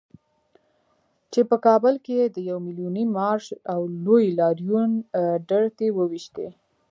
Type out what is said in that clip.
چې په کابل کې یې د يو ميليوني مارش او لوی لاريون ډرتې وويشتې.